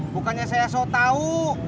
bukannya saya so tau